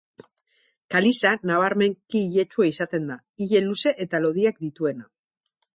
Kaliza, nabarmenki iletsua izaten da, ile luze eta lodiak dituena.